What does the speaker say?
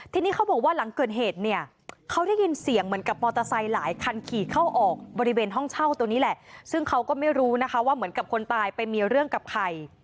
ทีนี้เขาบอกว่าหลังเกิดเหตุเนี่ยเขาได้ยินเสียงเหมือนกับมอเตอร์ไซค์หลายคันขี่เข้าออกบริเวณห้องเช่าตัวนี้แหละซึ่งเขาก็ไม่รู้นะคะว่าเหมือนกับคนตายไปมีเรื่องกับใคร